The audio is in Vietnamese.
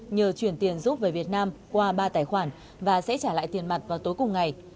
nhờ chuyển tiền giúp về việt nam qua ba tài khoản và sẽ trả lại tiền mặt vào tối cùng ngày